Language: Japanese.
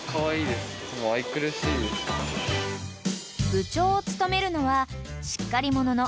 ［部長を務めるのはしっかり者の］